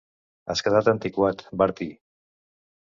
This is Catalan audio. Has quedat antiquat, Bertie.